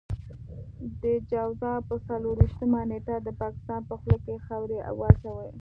د جوزا په څلور وېشتمه نېټه د پاکستان په خوله کې خاورې واچوئ.